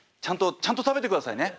ちゃんと食べてくださいね。